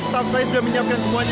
staff saya sudah menyiapkan semuanya